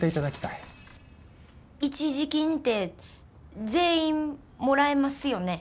一時金って全員もらえますよね？